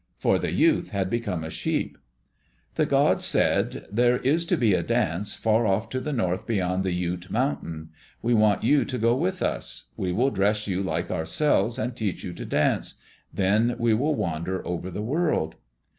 For the youth had become a sheep. The gods said, "There is to be a dance, far off to the north beyond the Ute Mountain. We want you to go with us. We will dress you like ourselves and teach you to dance. Then we will wander over the world."